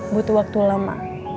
butuh waktu lama